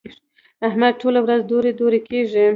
احمد ټوله ورځ دورې دورې کېږي.